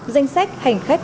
danh sách hành khách